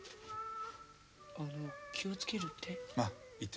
あの気を付けるって？